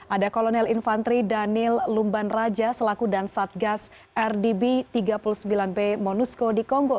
ada kolonel infantri daniel lumban raja selaku dan satgas rdb tiga puluh sembilan b monusco di kongo